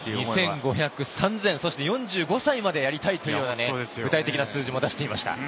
２５００、３０００、そして４５歳までやりたいという具体的な数字も出していました。